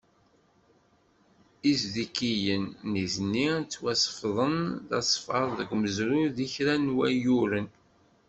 Iztikiyen, nitni, ttwasefḍen d asfaḍ seg umezruy deg kra n wayyuren.